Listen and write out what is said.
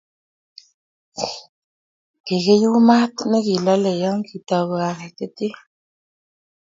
Kikiyuu maat ne kikiloli ya kitou kokaititit